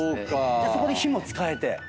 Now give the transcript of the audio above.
じゃあそこで火も使えて。